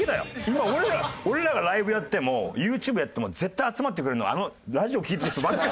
今俺らがライブやってもＹｏｕＴｕｂｅやっても絶対集まってくれるのはあのラジオ聴いてた人ばっか。